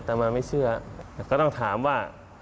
แต่มาไม่เชื่อแต่ก็ต้องถามว่า